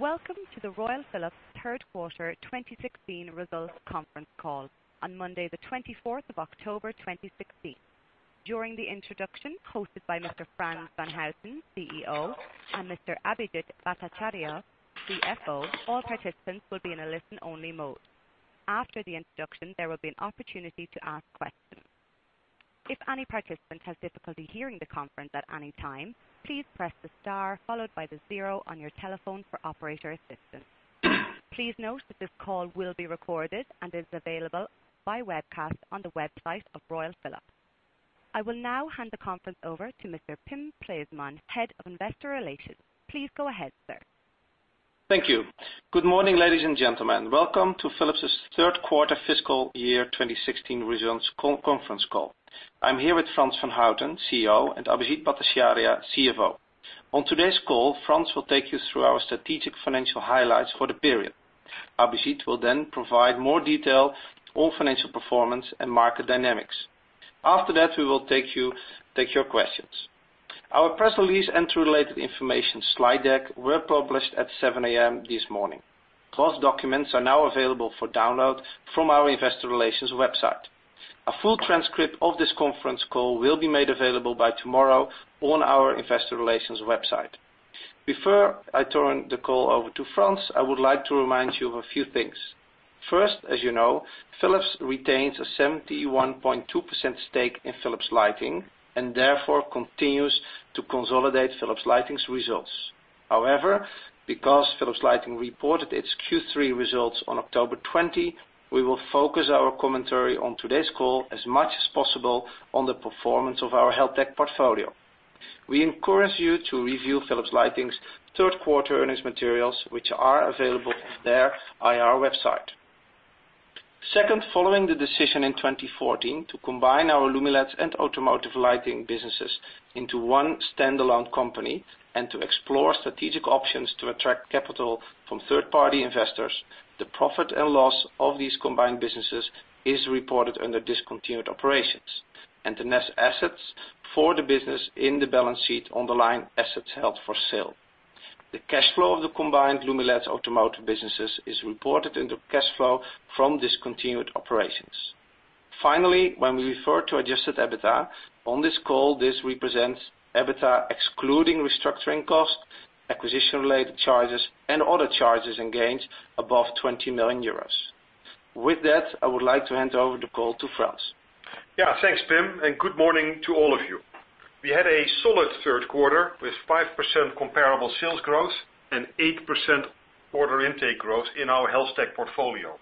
Welcome to the Royal Philips third quarter 2016 results conference call on Monday, the 24th of October 2016. During the introduction, hosted by Mr. Frans van Houten, CEO, and Mr. Abhijit Bhattacharya, CFO, all participants will be in a listen-only mode. After the introduction, there will be an opportunity to ask questions. If any participant has difficulty hearing the conference at any time, please press the star followed by the zero on your telephone for operator assistance. Please note that this call will be recorded and is available by webcast on the website of Royal Philips. I will now hand the conference over to Mr. Pim Preesman, Head of Investor Relations. Please go ahead, sir. Thank you. Good morning, ladies and gentlemen. Welcome to Philips' third quarter fiscal year 2016 results conference call. I'm here with Frans van Houten, CEO, and Abhijit Bhattacharya, CFO. On today's call, Frans will take you through our strategic financial highlights for the period. Abhijit will provide more detail on financial performance and market dynamics. After that, we will take your questions. Our press release and related information slide deck were published at 7:00 A.M. this morning. Plus, documents are now available for download from our investor relations website. A full transcript of this conference call will be made available by tomorrow on our investor relations website. Before I turn the call over to Frans, I would like to remind you of a few things. First, as you know, Philips retains a 71.2% stake in Philips Lighting, and therefore continues to consolidate Philips Lighting's results. Because Philips Lighting reported its Q3 results on October 20, we will focus our commentary on today's call as much as possible on the performance of our HealthTech portfolio. We encourage you to review Philips Lighting's third quarter earnings materials, which are available on their IR website. Second, following the decision in 2014 to combine our Lumileds and Automotive Lighting businesses into one standalone company and to explore strategic options to attract capital from third-party investors, the profit and loss of these combined businesses is reported under discontinued operations, and the net assets for the business in the balance sheet on the line assets held for sale. The cash flow of the combined Lumileds Automotive businesses is reported in the cash flow from discontinued operations. When we refer to adjusted EBITDA on this call, this represents EBITDA excluding restructuring costs, acquisition-related charges, and other charges and gains above 20 million euros. With that, I would like to hand over the call to Frans. Yeah. Thanks, Pim, and good morning to all of you. We had a solid third quarter with 5% comparable sales growth and 8% order intake growth in our HealthTech portfolio.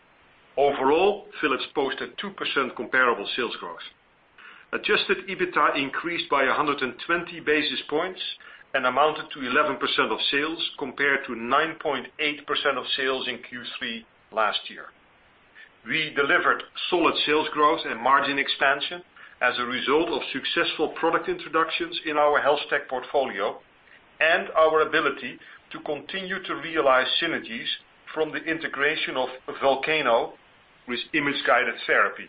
Overall, Philips posted 2% comparable sales growth. Adjusted EBITA increased by 120 basis points and amounted to 11% of sales, compared to 9.8% of sales in Q3 last year. We delivered solid sales growth and margin expansion as a result of successful product introductions in our HealthTech portfolio and our ability to continue to realize synergies from the integration of Volcano with image-guided therapy.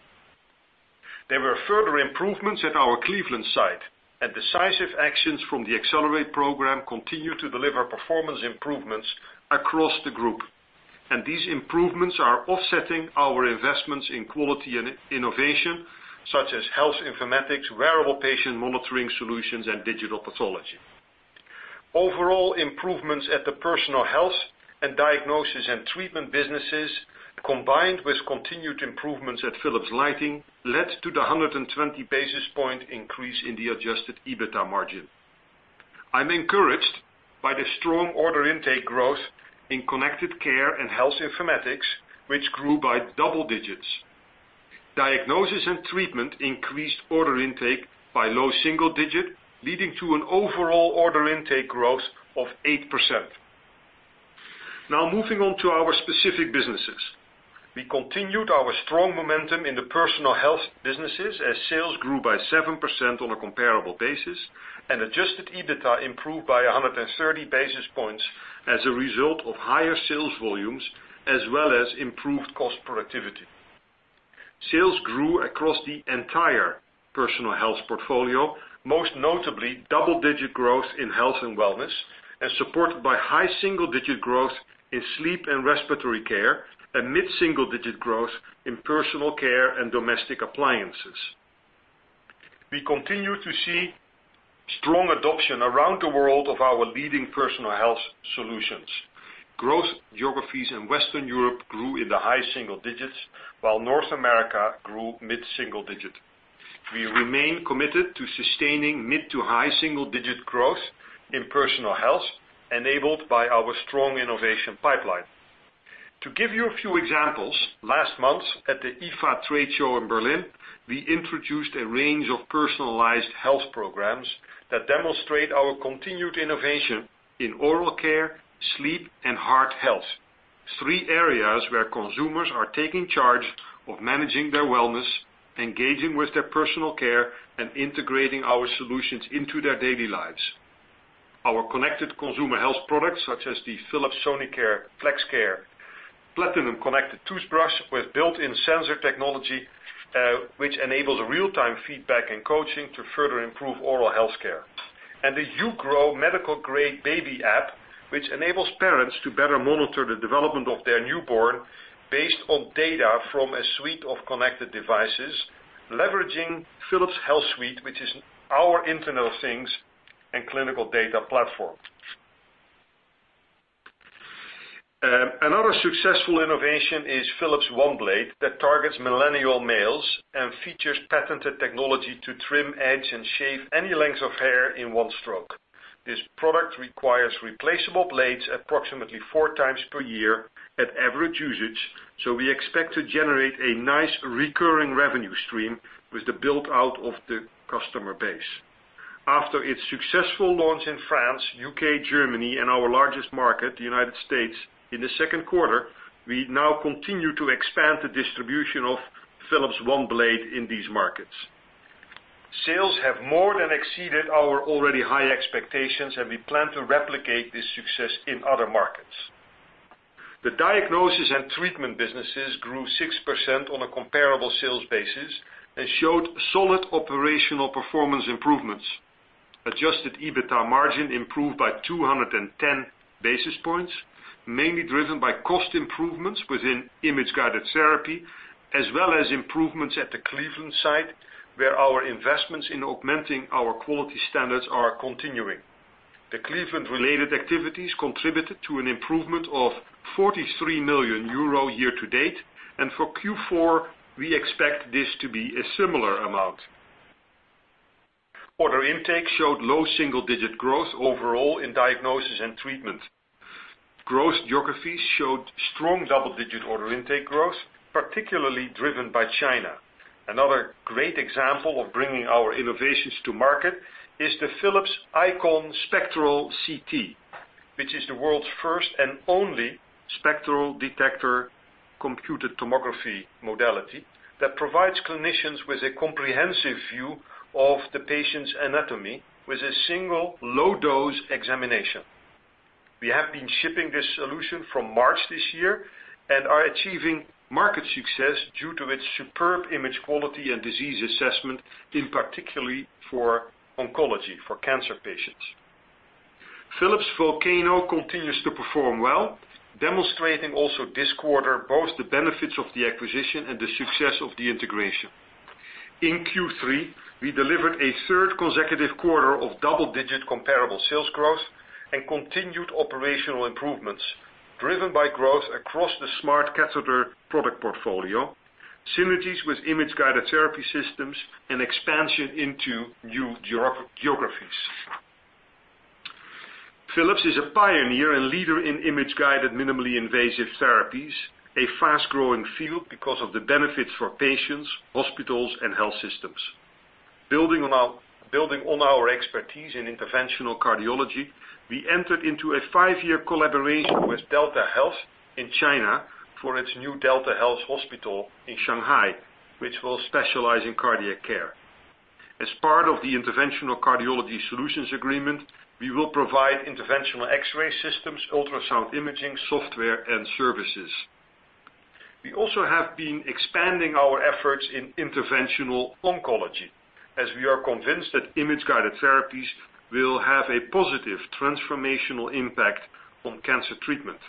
There were further improvements at our Cleveland site. Decisive actions from the Accelerate program continue to deliver performance improvements across the group, and these improvements are offsetting our investments in quality and innovation, such as health informatics, wearable patient monitoring solutions, and digital pathology. Overall improvements at the Personal Health and Diagnosis & Treatment businesses, combined with continued improvements at Philips Lighting, led to the 120 basis point increase in the adjusted EBITA margin. I'm encouraged by the strong order intake growth in Connected Care & Health Informatics, which grew by double digits. Diagnosis & Treatment increased order intake by low single digit, leading to an overall order intake growth of 8%. Moving on to our specific businesses. We continued our strong momentum in the Personal Health businesses as sales grew by 7% on a comparable basis, and adjusted EBITA improved by 130 basis points as a result of higher sales volumes as well as improved cost productivity. Sales grew across the entire Personal Health portfolio, most notably double-digit growth in Health and Wellness, as supported by high single-digit growth in Sleep and Respiratory Care, and mid-single-digit growth in Personal Care and Domestic Appliances. We continue to see strong adoption around the world of our leading Personal Health solutions. Growth geographies in Western Europe grew in the high single digits, while North America grew mid-single digit. We remain committed to sustaining mid to high single-digit growth in Personal Health, enabled by our strong innovation pipeline. To give you a few examples, last month at the IFA trade show in Berlin, we introduced a range of personalized health programs that demonstrate our continued innovation in oral care, sleep, and heart health, three areas where consumers are taking charge of managing their wellness, engaging with their personal care, and integrating our solutions into their daily lives. Our connected consumer health products such as the Philips Sonicare FlexCare Platinum Connected toothbrush with built-in sensor technology, which enables real-time feedback and coaching to further improve oral health care. The uGrow medical grade baby app, which enables parents to better monitor the development of their newborn based on data from a suite of connected devices, leveraging Philips HealthSuite, which is our Internet of Things and clinical data platform. Another successful innovation is Philips OneBlade that targets millennial males and features patented technology to trim, edge, and shave any length of hair in one stroke. This product requires replaceable blades approximately four times per year at average usage. We expect to generate a nice recurring revenue stream with the build-out of the customer base. After its successful launch in France, U.K., Germany, and our largest market, the U.S., in the second quarter, we now continue to expand the distribution of Philips OneBlade in these markets. Sales have more than exceeded our already high expectations, and we plan to replicate this success in other markets. The Diagnosis and Treatment businesses grew 6% on a comparable sales basis and showed solid operational performance improvements. Adjusted EBITDA margin improved by 210 basis points, mainly driven by cost improvements within image-guided therapy, as well as improvements at the Cleveland site, where our investments in augmenting our quality standards are continuing. The Cleveland-related activities contributed to an improvement of 43 million euro year to date, and for Q4, we expect this to be a similar amount. Order intake showed low single-digit growth overall in Diagnosis and Treatment. Growth geographies showed strong double-digit order intake growth, particularly driven by China. Another great example of bringing our innovations to market is the Philips IQon Spectral CT, which is the world's first and only spectral detector computed tomography modality that provides clinicians with a comprehensive view of the patient's anatomy with a single low-dose examination. We have been shipping this solution from March this year and are achieving market success due to its superb image quality and disease assessment in particularly for oncology for cancer patients. Philips Volcano continues to perform well, demonstrating also this quarter both the benefits of the acquisition and the success of the integration. In Q3, we delivered a third consecutive quarter of double-digit comparable sales growth and continued operational improvements, driven by growth across the smart catheter product portfolio, synergies with image-guided therapy systems, and expansion into new geographies. Philips is a pioneer and leader in image-guided, minimally invasive therapies, a fast-growing field because of the benefits for patients, hospitals, and health systems. Building on our expertise in interventional cardiology, we entered into a five-year collaboration with DeltaHealth in China for its new DeltaHealth hospital in Shanghai, which will specialize in cardiac care. As part of the interventional cardiology solutions agreement, we will provide interventional X-ray systems, ultrasound imaging, software, and services. We also have been expanding our efforts in interventional oncology, as we are convinced that image-guided therapies will have a positive transformational impact on cancer treatment.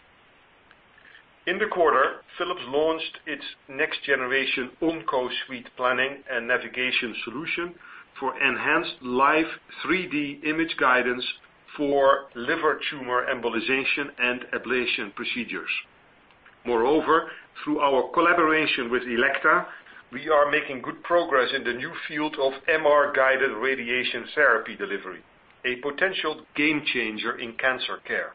In the quarter, Philips launched its next generation OncoSuite planning and navigation solution for enhanced live 3D image guidance for liver tumor embolization and ablation procedures. Moreover, through our collaboration with Elekta, we are making good progress in the new field of MR-guided radiation therapy delivery, a potential game changer in cancer care.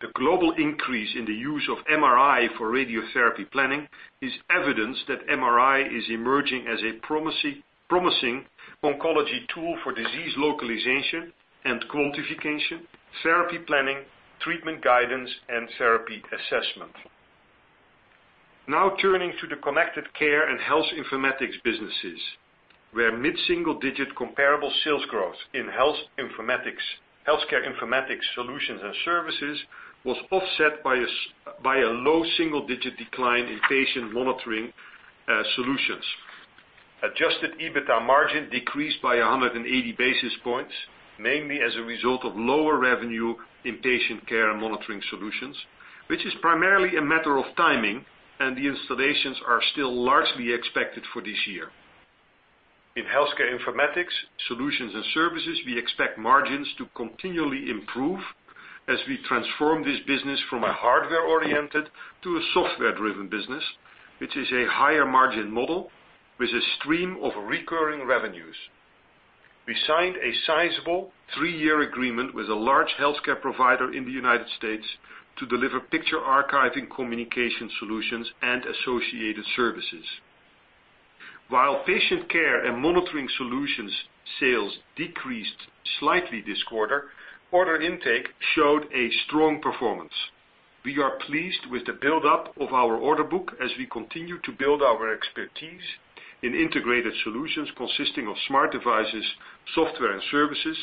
The global increase in the use of MRI for radiotherapy planning is evidence that MRI is emerging as a promising oncology tool for disease localization and quantification, therapy planning, treatment guidance, and therapy assessment. Turning to the Connected Care and Health Informatics businesses, where mid-single digit comparable sales growth in healthcare informatics solutions and services was offset by a low single-digit decline in patient monitoring solutions. Adjusted EBITDA margin decreased by 180 basis points, mainly as a result of lower revenue in patient care and monitoring solutions, which is primarily a matter of timing, and the installations are still largely expected for this year. In healthcare informatics, solutions and services, we expect margins to continually improve as we transform this business from a hardware-oriented to a software-driven business, which is a higher margin model with a stream of recurring revenues. We signed a sizable three-year agreement with a large healthcare provider in the U.S. to deliver picture archiving communication solutions and associated services. While patient care and monitoring solutions sales decreased slightly this quarter, order intake showed a strong performance. We are pleased with the build-up of our order book as we continue to build our expertise in integrated solutions consisting of smart devices, software, and services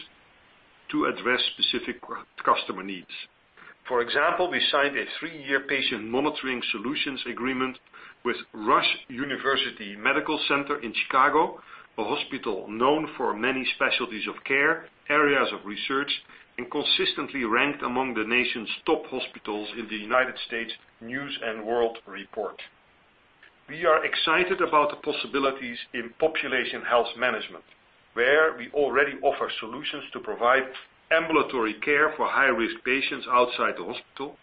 to address specific customer needs. For example, we signed a three-year patient monitoring solutions agreement with Rush University Medical Center in Chicago, a hospital known for many specialties of care, areas of research, and consistently ranked among the nation's top hospitals in the U.S. News & World Report. We are excited about the possibilities in population health management, where we already offer solutions to provide ambulatory care for high-risk patients outside the hospital,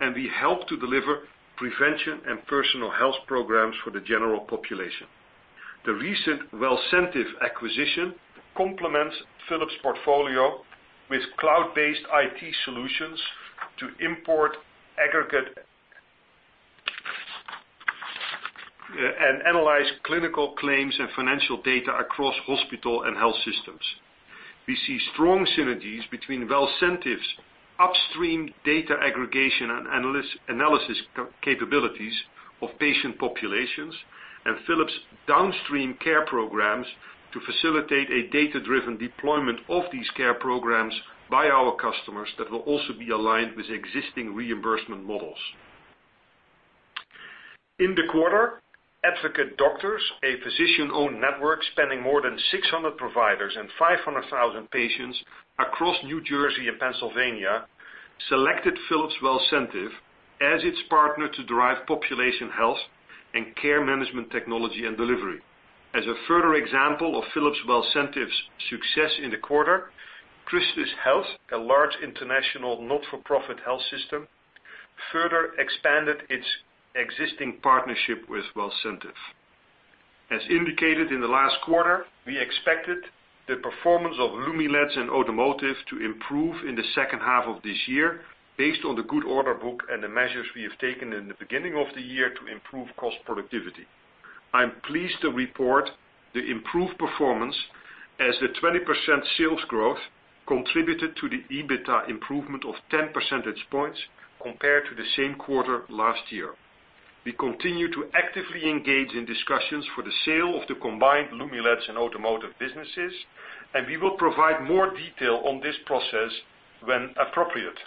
and we help to deliver prevention and personal health programs for the general population. The recent Wellcentive acquisition complements Philips portfolio with cloud-based IT solutions to import, aggregate, and analyze clinical claims and financial data across hospital and health systems. We see strong synergies between Wellcentive's upstream data aggregation and analysis capabilities of patient populations and Philips downstream care programs to facilitate a data-driven deployment of these care programs by our customers that will also be aligned with existing reimbursement models. In the quarter, Advocate Doctors, a physician-owned network spanning more than 600 providers and 500,000 patients across New Jersey and Pennsylvania, selected Philips Wellcentive as its partner to derive population health and care management technology and delivery. As a further example of Philips Wellcentive's success in the quarter, CHRISTUS Health, a large international not-for-profit health system, further expanded its existing partnership with Wellcentive. As indicated in the last quarter, we expected the performance of Lumileds and Automotive to improve in the second half of this year based on the good order book and the measures we have taken in the beginning of the year to improve cost productivity. I'm pleased to report the improved performance as the 20% sales growth contributed to the EBITA improvement of 10 percentage points compared to the same quarter last year. We continue to actively engage in discussions for the sale of the combined Lumileds and Automotive businesses, we will provide more detail on this process when appropriate.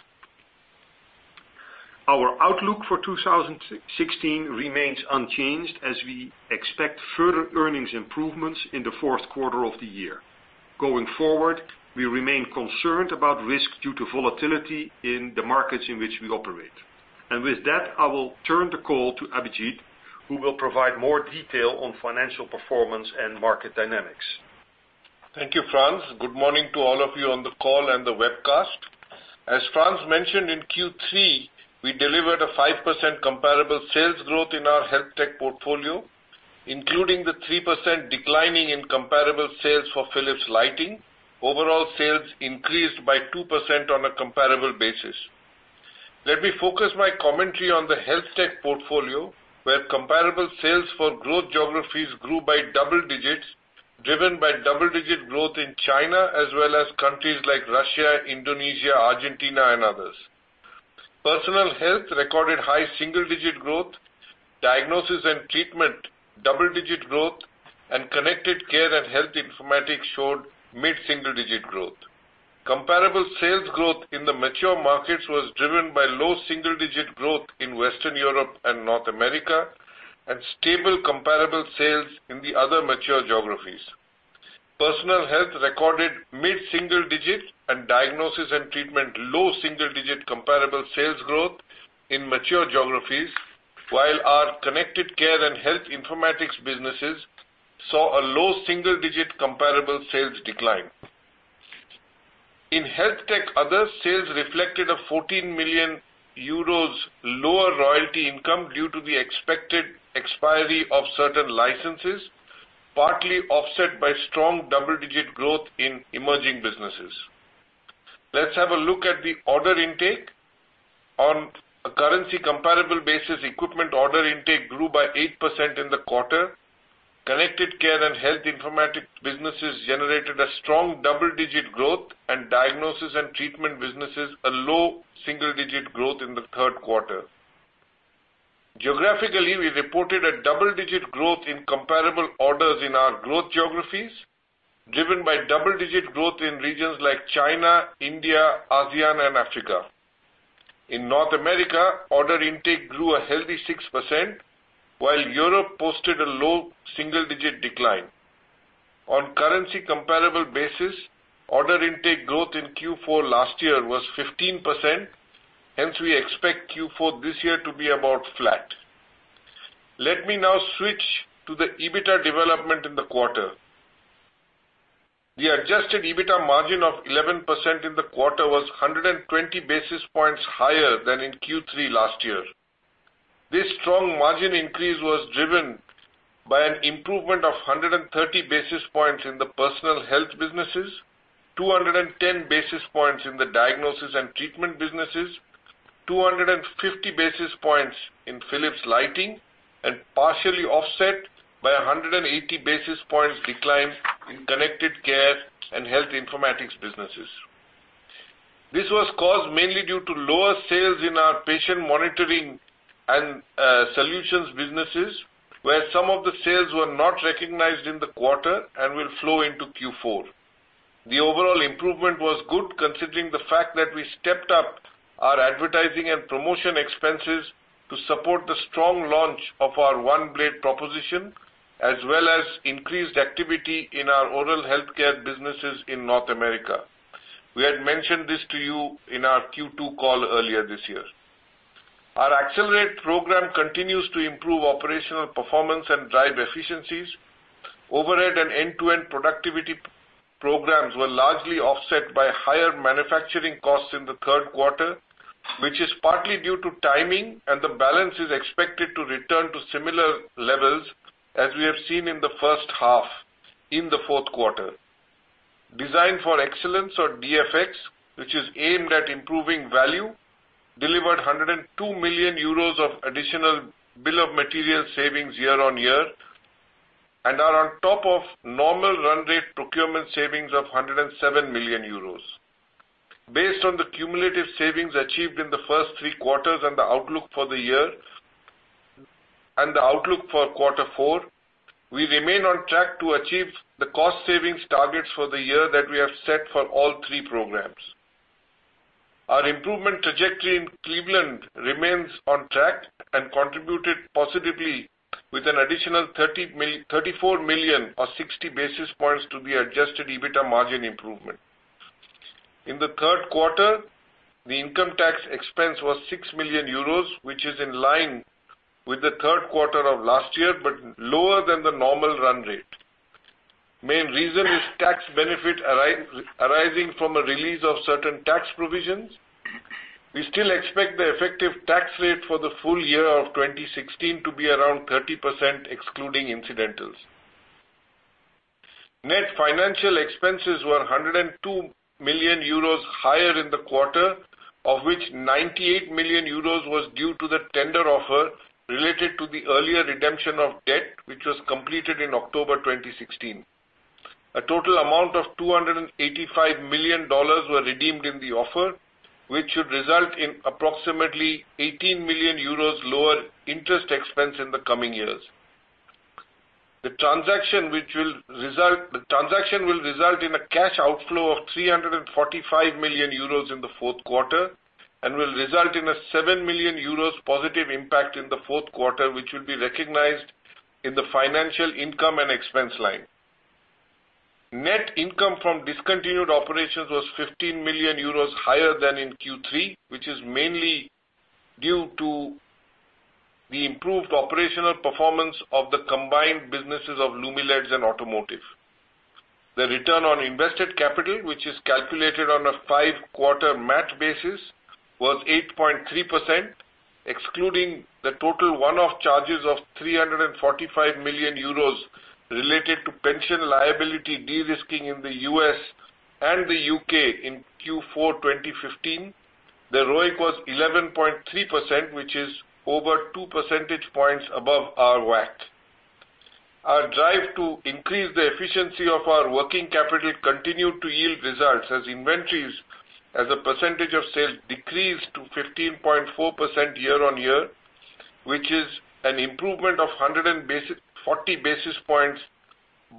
Our outlook for 2016 remains unchanged as we expect further earnings improvements in the fourth quarter of the year. Going forward, we remain concerned about risk due to volatility in the markets in which we operate. With that, I will turn the call to Abhijit, who will provide more detail on financial performance and market dynamics. Thank you, Frans. Good morning to all of you on the call and the webcast. As Frans mentioned, in Q3, we delivered a 5% comparable sales growth in our Health Tech portfolio, including the 3% declining in comparable sales for Philips Lighting. Overall sales increased by 2% on a comparable basis. Let me focus my commentary on the Health Tech portfolio, where comparable sales for growth geographies grew by double digits, driven by double-digit growth in China, as well as countries like Russia, Indonesia, Argentina, and others. Personal Health recorded high single-digit growth, Diagnosis and Treatment double-digit growth, and Connected Care and Health Informatics showed mid-single digit growth. Comparable sales growth in the mature markets was driven by low single-digit growth in Western Europe and North America and stable comparable sales in the other mature geographies. Personal Health recorded mid-single digit and Diagnosis and Treatment low single-digit comparable sales growth in mature geographies, while our Connected Care and Health Informatics businesses saw a low single-digit comparable sales decline. In Health Tech, other sales reflected a 14 million euros lower royalty income due to the expected expiry of certain licenses, partly offset by strong double-digit growth in emerging businesses. Let's have a look at the order intake. On a currency comparable basis, equipment order intake grew by 8% in the quarter. Connected Care and Health Informatics businesses generated a strong double-digit growth and Diagnosis and Treatment businesses, a low single-digit growth in the third quarter. Geographically, we reported a double-digit growth in comparable orders in our growth geographies, driven by double-digit growth in regions like China, India, ASEAN, and Africa. In North America, order intake grew a healthy 6%, while Europe posted a low single-digit decline. On currency comparable basis, order intake growth in Q4 last year was 15%, hence we expect Q4 this year to be about flat. Let me now switch to the EBITA development in the quarter. The adjusted EBITA margin of 11% in the quarter was 120 basis points higher than in Q3 last year. This strong margin increase was driven by an improvement of 130 basis points in the Personal Health businesses, 210 basis points in the Diagnosis and Treatment businesses, 250 basis points in Philips Lighting. Partially offset by 180 basis points decline in Connected Care and Health Informatics businesses. This was caused mainly due to lower sales in our patient monitoring and solutions businesses, where some of the sales were not recognized in the quarter and will flow into Q4. The overall improvement was good considering the fact that we stepped up our advertising and promotion expenses to support the strong launch of our OneBlade proposition as well as increased activity in our oral health care businesses in North America. We had mentioned this to you in our Q2 call earlier this year. Our Accelerate! program continues to improve operational performance and drive efficiencies. Overhead and end-to-end productivity programs were largely offset by higher manufacturing costs in the third quarter, which is partly due to timing, and the balance is expected to return to similar levels as we have seen in the first half in the fourth quarter. Design for excellence or DFX, which is aimed at improving value, delivered 102 million euros of additional bill of material savings year-on-year, and are on top of normal run rate procurement savings of 107 million euros. Based on the cumulative savings achieved in the first three quarters and the outlook for the year, and the outlook for quarter four, we remain on track to achieve the cost savings targets for the year that we have set for all three programs. Our improvement trajectory in Cleveland remains on track and contributed positively with an additional 34 million or 60 basis points to the adjusted EBITA margin improvement. In the third quarter, the income tax expense was 6 million euros, which is in line with the third quarter of last year, but lower than the normal run rate. Main reason is tax benefit arising from a release of certain tax provisions. We still expect the effective tax rate for the full year of 2016 to be around 30% excluding incidentals. Net financial expenses were 102 million euros higher in the quarter, of which 98 million euros was due to the tender offer related to the earlier redemption of debt, which was completed in October 2016. A total amount of $285 million were redeemed in the offer, which should result in approximately 18 million euros lower interest expense in the coming years. The transaction will result in a cash outflow of 345 million euros in the fourth quarter and will result in a 7 million euros positive impact in the fourth quarter, which will be recognized in the financial income and expense line. Net income from discontinued operations was 15 million euros higher than in Q3, which is mainly due to the improved operational performance of the combined businesses of Lumileds and Automotive. The return on invested capital, which is calculated on a five-quarter match basis, was 8.3%, excluding the total one-off charges of 345 million euros related to pension liability de-risking in the U.S. and the U.K. in Q4 2015. The ROIC was 11.3%, which is over two percentage points above our WACC. Our drive to increase the efficiency of our working capital continued to yield results as inventories as a percentage of sales decreased to 15.4% year-on-year, which is an improvement of 140 basis points,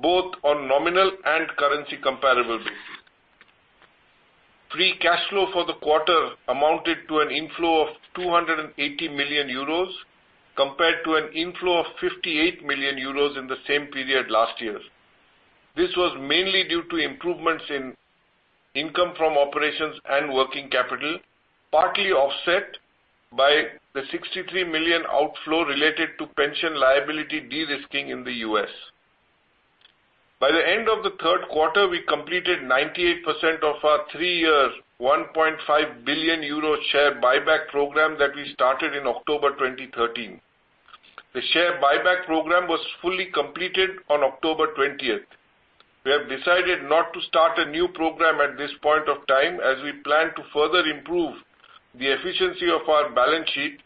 both on nominal and currency comparable basis. Free cash flow for the quarter amounted to an inflow of 280 million euros, compared to an inflow of 58 million euros in the same period last year. This was mainly due to improvements in income from operations and working capital, partly offset by the 63 million outflow related to pension liability de-risking in the U.S. By the end of the third quarter, we completed 98% of our three-year, 1.5 billion euro share buyback program that we started in October 2013. The share buyback program was fully completed on October 20th. We have decided not to start a new program at this point of time as we plan to further improve the efficiency of our balance sheet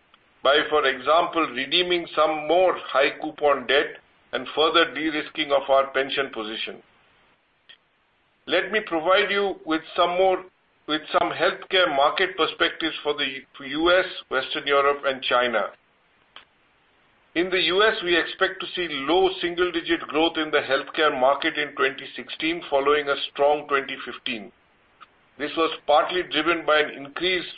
by, for example, redeeming some more high coupon debt and further de-risking of our pension position. Let me provide you with some healthcare market perspectives for the U.S., Western Europe, and China. In the U.S., we expect to see low single-digit growth in the healthcare market in 2016 following a strong 2015. This was partly driven by an increased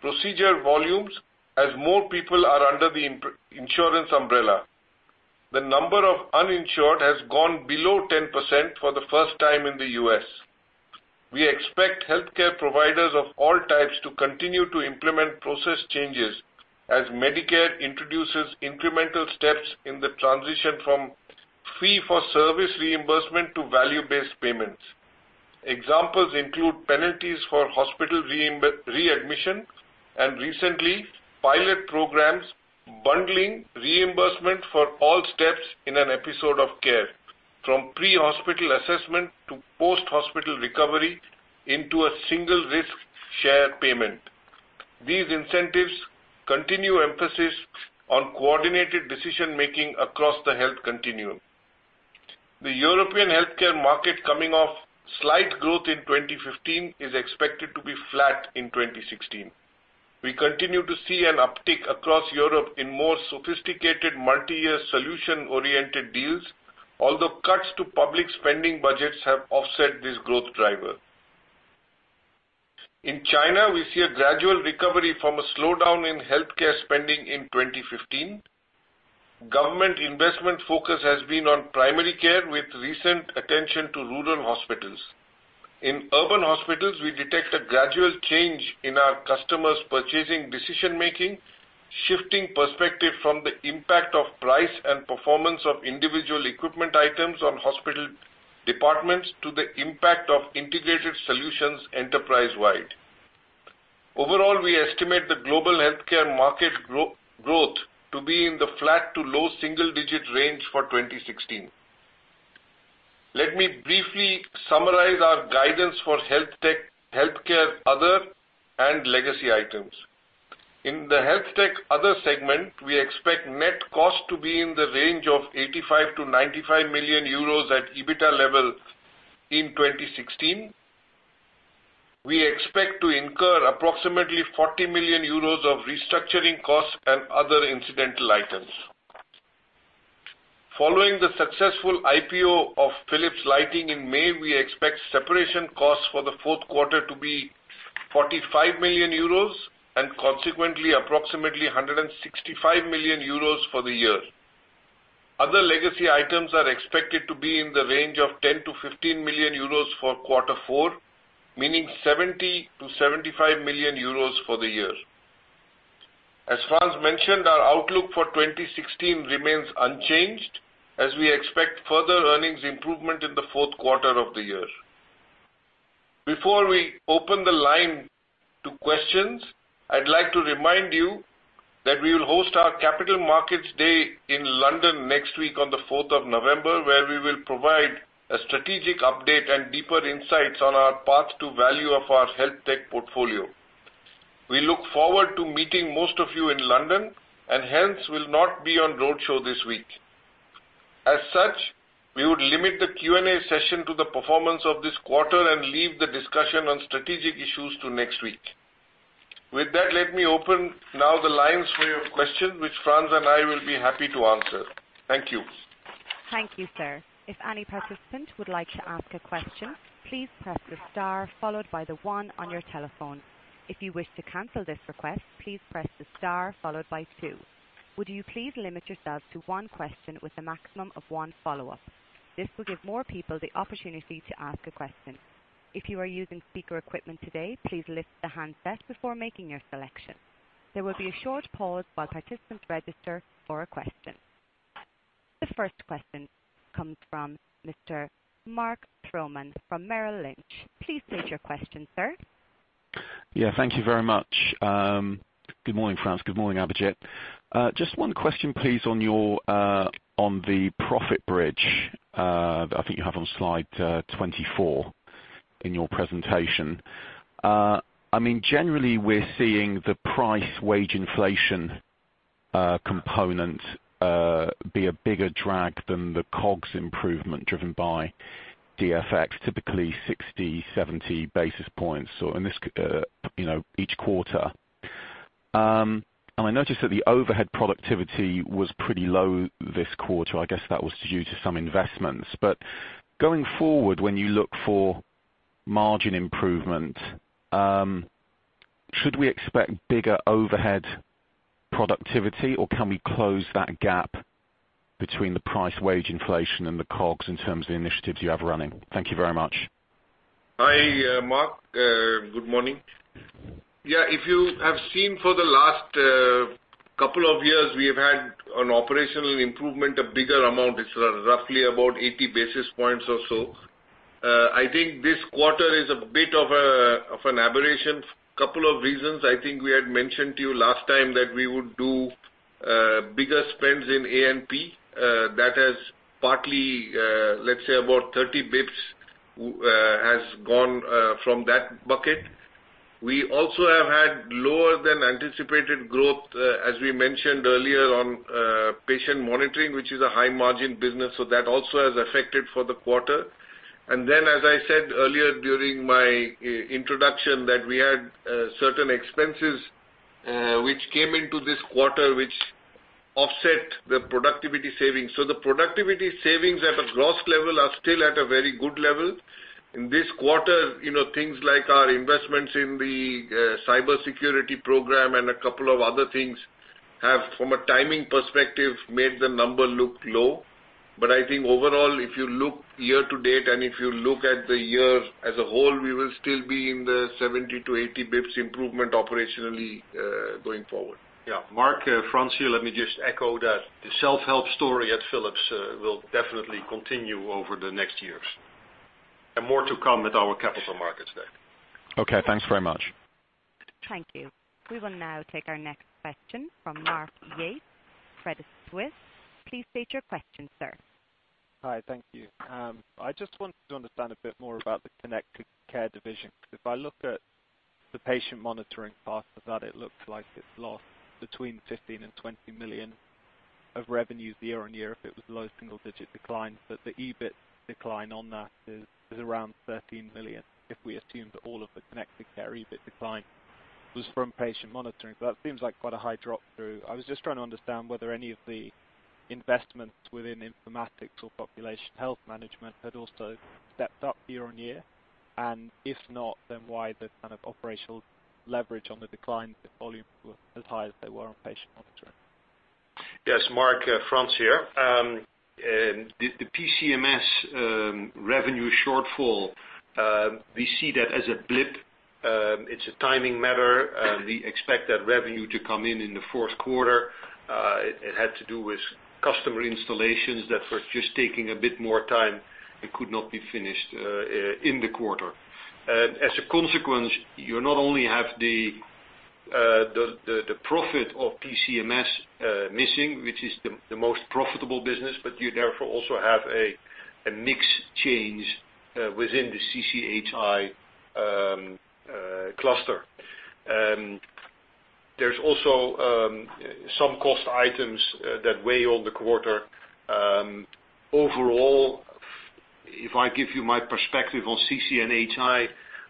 procedure volumes as more people are under the insurance umbrella. The number of uninsured has gone below 10% for the first time in the U.S. We expect healthcare providers of all types to continue to implement process changes as Medicare introduces incremental steps in the transition from fee-for-service reimbursement to value-based payments. Examples include penalties for hospital readmission and recently, pilot programs bundling reimbursement for all steps in an episode of care. From pre-hospital assessment to post-hospital recovery into a single risk shared payment. These incentives continue emphasis on coordinated decision-making across the health continuum. The European healthcare market coming off slight growth in 2015 is expected to be flat in 2016. We continue to see an uptick across Europe in more sophisticated multi-year solution-oriented deals, although cuts to public spending budgets have offset this growth driver. In China, we see a gradual recovery from a slowdown in healthcare spending in 2015. Government investment focus has been on primary care, with recent attention to rural hospitals. In urban hospitals, we detect a gradual change in our customers' purchasing decision-making, shifting perspective from the impact of price and performance of individual equipment items on hospital departments to the impact of integrated solutions enterprise-wide. Overall, we estimate the global healthcare market growth to be in the flat to low single-digit range for 2016. Let me briefly summarize our guidance for HealthTech, Healthcare Other, and legacy items. In the HealthTech Other segment, we expect net cost to be in the range of 85 million-95 million euros at EBITDA level in 2016. We expect to incur approximately 40 million euros of restructuring costs and other incidental items. Following the successful IPO of Philips Lighting in May, we expect separation costs for the fourth quarter to be 45 million euros and consequently, approximately 165 million euros for the year. Other legacy items are expected to be in the range of 10 million-15 million euros for quarter four, meaning 70 million-75 million euros for the year. As Frans mentioned, our outlook for 2016 remains unchanged as we expect further earnings improvement in the fourth quarter of the year. Before we open the line to questions, I'd like to remind you that we will host our Capital Markets Day in London next week on the 4th of November, where we will provide a strategic update and deeper insights on our path to value of our HealthTech portfolio. We look forward to meeting most of you in London and hence will not be on road show this week. As such, we would limit the Q&A session to the performance of this quarter and leave the discussion on strategic issues to next week. With that, let me open now the lines for your questions, which Frans and I will be happy to answer. Thank you. Thank you, sir. If any participant would like to ask a question, please press the star followed by 1 on your telephone. If you wish to cancel this request, please press the star followed by 2. Would you please limit yourselves to one question with a maximum of one follow-up? This will give more people the opportunity to ask a question. If you are using speaker equipment today, please lift the handset before making your selection. There will be a short pause while participants register for a question. The first question comes from Mr. Mark Troman from Merrill Lynch. Please state your question, sir. Yeah, thank you very much. Good morning, Frans. Good morning, Abhijit. Just one question, please, on the profit bridge I think you have on slide 24 in your presentation. Generally, we're seeing the price wage inflation component be a bigger drag than the COGS improvement driven by DFX, typically 60, 70 basis points each quarter. I noticed that the overhead productivity was pretty low this quarter. I guess that was due to some investments. Going forward, when you look for margin improvement, should we expect bigger overhead productivity, or can we close that gap between the price wage inflation and the COGS in terms of the initiatives you have running? Thank you very much. Hi, Mark. Good morning. If you have seen for the last couple of years, we have had an operational improvement of bigger amount. It's roughly about 80 basis points or so. I think this quarter is a bit of an aberration. Couple of reasons. I think we had mentioned to you last time that we would do bigger spends in A&P. That has partly, let's say about 30 basis points, has gone from that bucket. We also have had lower than anticipated growth, as we mentioned earlier on patient monitoring, which is a high margin business, that also has affected for the quarter. As I said earlier during my introduction, that we had certain expenses which came into this quarter, which offset the productivity savings. The productivity savings at a gross level are still at a very good level. In this quarter, things like our investments in the cybersecurity program and a couple of other things have, from a timing perspective, made the number look low. I think overall, if you look year to date and if you look at the year as a whole, we will still be in the 70 to 80 basis points improvement operationally, going forward. Yeah. Mark, Frans here. Let me just echo that. The self-help story at Philips will definitely continue over the next years. More to come at our Capital Markets Day. Okay, thanks very much. Thank you. We will now take our next question from Max Yates, Credit Suisse. Please state your question, sir. Hi. Thank you. I just wanted to understand a bit more about the connected care division, because if I look at the patient monitoring part of that, it looks like it's lost between 15 million and 20 million of revenues year-on-year, if it was low single-digit decline. The EBIT decline on that is around 13 million, if we assume that all of the connected care EBIT decline was from patient monitoring. That seems like quite a high drop through. I was just trying to understand whether any of the investments within informatics or population health management had also stepped up year-on-year, and if not, then why the kind of operational leverage on the decline of the volume were as high as they were on patient monitoring. Yes, Max, Frans here. The PCMS revenue shortfall, we see that as a blip. It's a timing matter. We expect that revenue to come in in the fourth quarter. It had to do with customer installations that were just taking a bit more time and could not be finished in the quarter. As a consequence, you not only have the profit of PCMS missing, which is the most profitable business, but you therefore also have a mix change within the CC&HI cluster. There's also some cost items that weigh on the quarter. Overall, if I give you my perspective on CC and HI,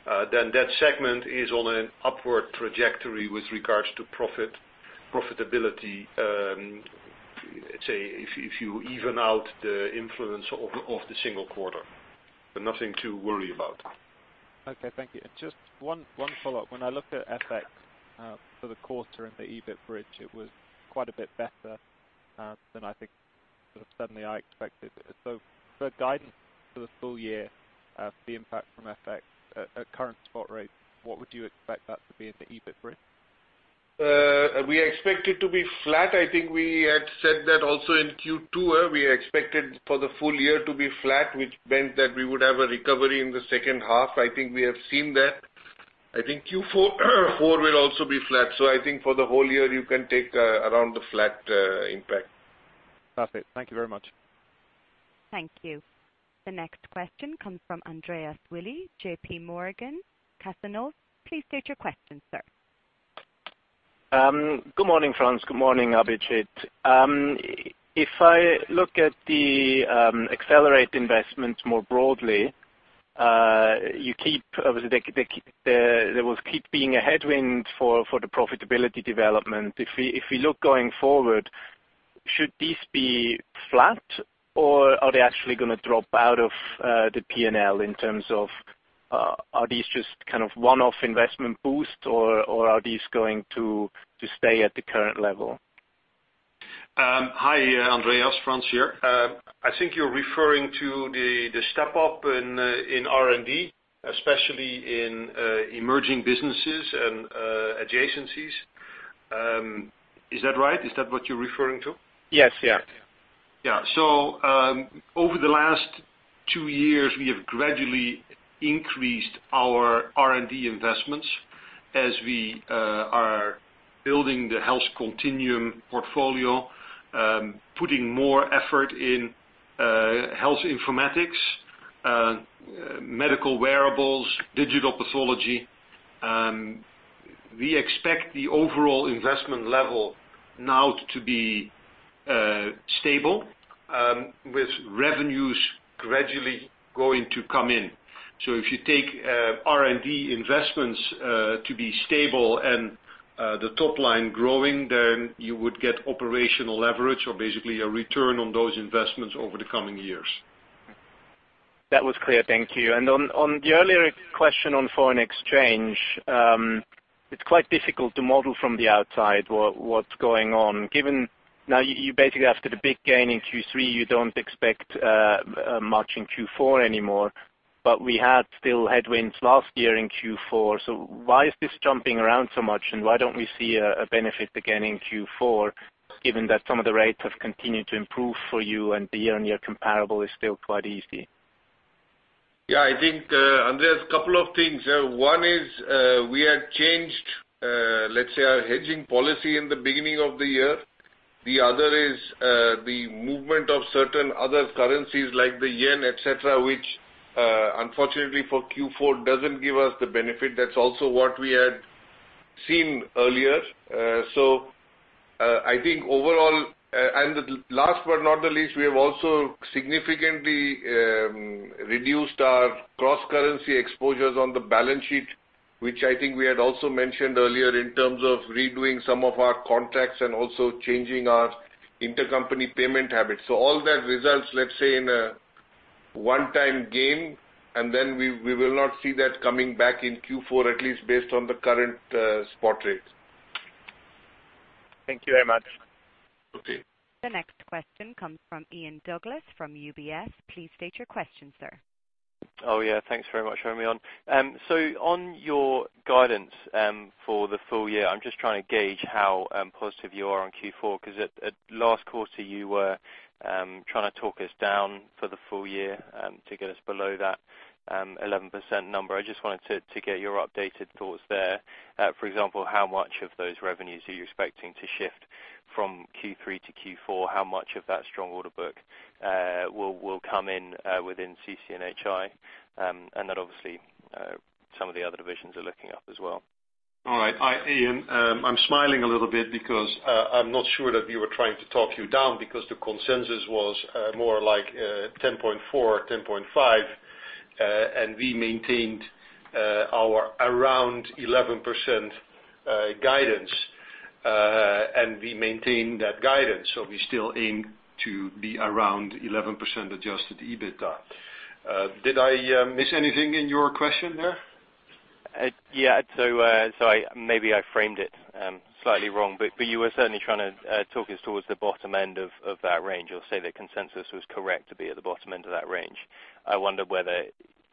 that segment is on an upward trajectory with regards to profitability, say, if you even out the influence of the single quarter. Nothing to worry about. Okay. Thank you. Just one follow-up. When I look at FX for the quarter and the EBIT bridge, it was quite a bit better than I think suddenly I expected. For guidance for the full year, the impact from FX at current spot rates, what would you expect that to be in the EBIT bridge? We expect it to be flat. I think we had said that also in Q2. We expected for the full year to be flat, which meant that we would have a recovery in the second half. I think we have seen that. I think Q4 will also be flat. I think for the whole year, you can take around the flat impact. Perfect. Thank you very much. Thank you. The next question comes from Andreas Willi, JPMorgan. Please state your question, sir. Good morning, Frans. Good morning, Abhijit. If I look at the Accelerate! investments more broadly, there will keep being a headwind for the profitability development. If we look going forward, should these be flat or are they actually going to drop out of the P&L in terms of are these just kind of one-off investment boost or are these going to stay at the current level? Hi, Andreas. Frans here. I think you're referring to the step-up in R&D, especially in emerging businesses and adjacencies. Is that right? Is that what you're referring to? Yes. Yeah. Over the last two years, we have gradually increased our R&D investments as we are building the health continuum portfolio, putting more effort in health informatics, medical wearables, digital pathology. We expect the overall investment level now to be stable, with revenues gradually going to come in. If you take R&D investments to be stable and the top line growing, then you would get operational leverage or basically a return on those investments over the coming years. That was clear. Thank you. On the earlier question on foreign exchange, it's quite difficult to model from the outside what's going on. Given now you basically, after the big gain in Q3, you don't expect much in Q4 anymore. We had still headwinds last year in Q4. Why is this jumping around so much, and why don't we see a benefit again in Q4, given that some of the rates have continued to improve for you and the year-on-year comparable is still quite easy? Yeah. I think, Andreas, couple of things. One is, we had changed, let's say, our hedging policy in the beginning of the year. The other is the movement of certain other currencies like the yen, et cetera, which, unfortunately for Q4, doesn't give us the benefit. That's also what we had seen earlier. The last but not the least, we have also significantly reduced our cross-currency exposures on the balance sheet, which I think we had also mentioned earlier in terms of redoing some of our contracts and also changing our intercompany payment habits. All that results, let's say, in a one-time gain, and then we will not see that coming back in Q4, at least based on the current spot rates. Thank you very much. Okay. The next question comes from Ian Douglas-Pennant from UBS. Please state your question, sir. Thanks very much for having me on. On your guidance for the full year, I'm just trying to gauge how positive you are on Q4, because at last quarter, you were trying to talk us down for the full year to get us below that 11% number. I just wanted to get your updated thoughts there. For example, how much of those revenues are you expecting to shift from Q3 to Q4? How much of that strong order book will come in within CC&HI? That obviously, some of the other divisions are looking up as well. All right. Ian, I'm smiling a little bit because I'm not sure that we were trying to talk you down because the consensus was more like 10.4%, 10.5%, and we maintained our around 11% guidance. We maintained that guidance, so we still aim to be around 11% adjusted EBITDA. Did I miss anything in your question there? Yeah. Maybe I framed it slightly wrong, but you were certainly trying to talk us towards the bottom end of that range, or say the consensus was correct to be at the bottom end of that range. I wonder whether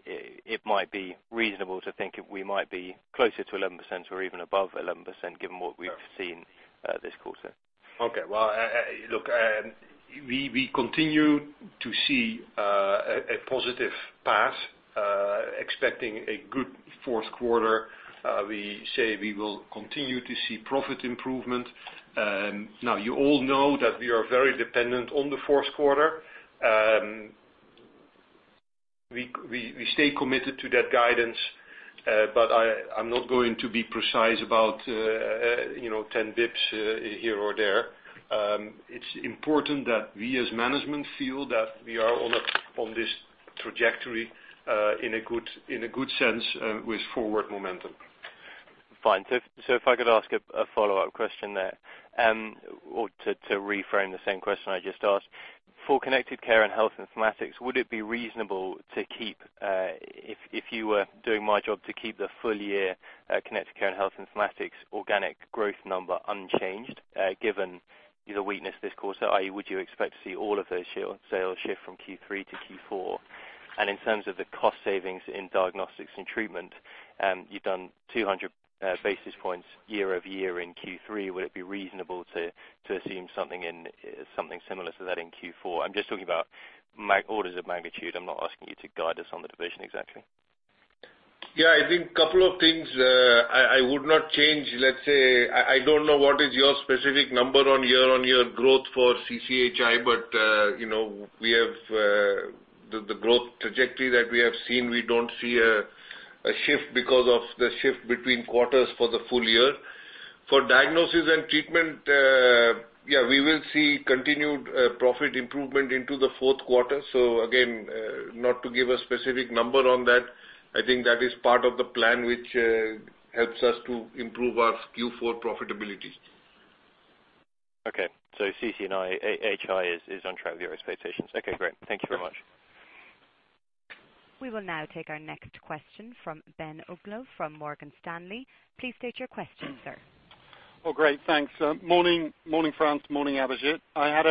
it might be reasonable to think we might be closer to 11% or even above 11%, given what we've seen this quarter. Okay. Well, look, we continue to see a positive path, expecting a good fourth quarter. We say we will continue to see profit improvement. You all know that we are very dependent on the fourth quarter. We stay committed to that guidance, but I'm not going to be precise about 10 basis points here or there. It's important that we, as management, feel that we are on this trajectory in a good sense, with forward momentum. Fine. If I could ask a follow-up question there, or to reframe the same question I just asked. For Connected Care & Health Informatics, would it be reasonable, if you were doing my job, to keep the full year Connected Care & Health Informatics organic growth number unchanged, given the weakness this quarter? I.e., would you expect to see all of those sales shift from Q3 to Q4? In terms of the cost savings in Diagnosis & Treatment, you've done 200 basis points year-over-year in Q3. Would it be reasonable to assume something similar to that in Q4? I'm just talking about orders of magnitude. I'm not asking you to guide us on the division exactly. Yeah, I think couple of things. I would not change, let's say, I don't know what is your specific number on year-on-year growth for CCHI, but the growth trajectory that we have seen, we don't see a shift because of the shift between quarters for the full year. For Diagnosis & Treatment, yeah, we will see continued profit improvement into the fourth quarter. Again, not to give a specific number on that. I think that is part of the plan which helps us to improve our Q4 profitability. Okay. CC&HI is on track with your expectations. Okay, great. Thank you very much. We will now take our next question from Ben Uglow from Morgan Stanley. Please state your question, sir. Well, great, thanks. Morning, Frans. Morning, Abhijit. I had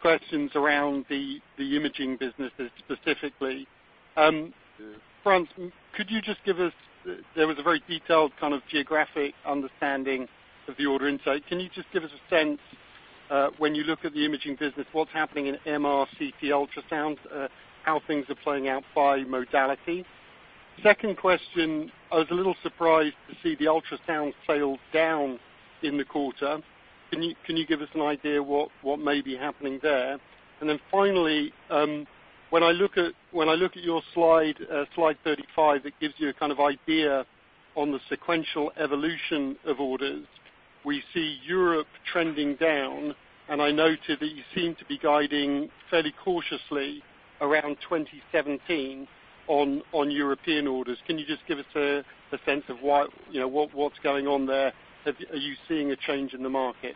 questions around the imaging businesses, specifically. Frans, there was a very detailed kind of geographic understanding of the order insight. Can you just give us a sense, when you look at the imaging business, what's happening in MR, CT, ultrasound, how things are playing out by modality? Second question, I was a little surprised to see the ultrasound sales down in the quarter. Can you give us an idea what may be happening there? Finally, when I look at your slide 35, it gives you a kind of idea on the sequential evolution of orders. We see Europe trending down, and I noted that you seem to be guiding fairly cautiously around 2017 on European orders. Can you just give us a sense of what's going on there? Are you seeing a change in the market?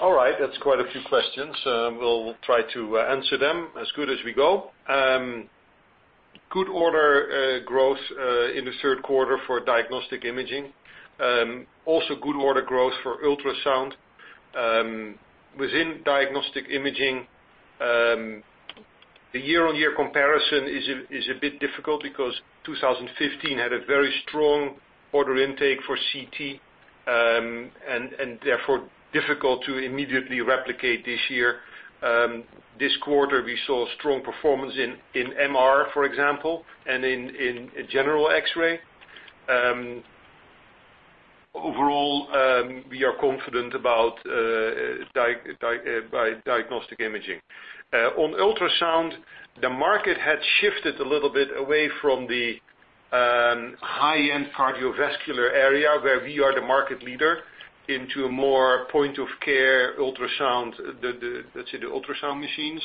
All right. That's quite a few questions. We'll try to answer them as good as we go. Good order growth in the third quarter for diagnostic imaging. Also good order growth for ultrasound. Within diagnostic imaging, the year-on-year comparison is a bit difficult because 2015 had a very strong order intake for CT, and therefore difficult to immediately replicate this year. This quarter, we saw strong performance in MR, for example, and in general X-ray. Overall, we are confident about diagnostic imaging. On ultrasound, the market had shifted a little bit away from the high-end cardiovascular area, where we are the market leader, into a more point-of-care ultrasound, let's say, the ultrasound machines.